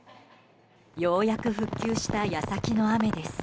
ようやく復旧した矢先の雨です。